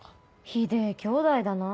ひでぇ兄弟だな。